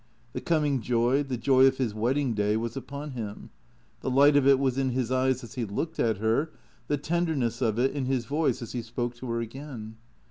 The coming joy, the joy of his wedding day, was upon him; the light of it was in his eyes as he looked at her, the tenderness of it in his voice as he spoke to her again.